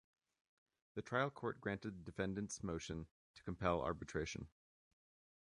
The trial court granted defendant’s motion to compel arbitration.